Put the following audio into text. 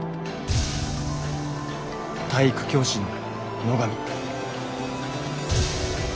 体育教師の野上。